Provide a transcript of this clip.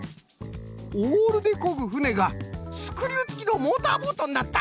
オールでこぐふねがスクリューつきのモーターボートになった！